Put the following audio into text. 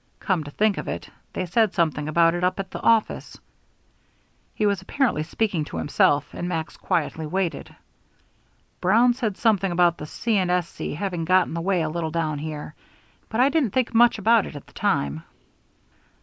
Come to think of it, they said something about it up at the office," he was apparently speaking to himself, and Max quietly waited, "Brown said something about the C. & S. C. having got in the way a little down here, but I didn't think much about it at the time."